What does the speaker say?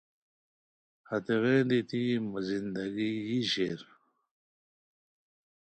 ہتیغین دیتی مہ زندگی بی شیر